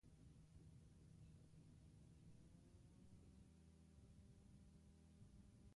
Maila hau ordenaren eta generoaren artean dago.